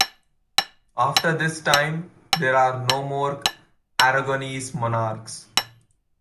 After this time, there are no more Aragonese monarchs.